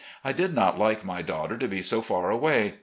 I did not like my daughter to be so far away.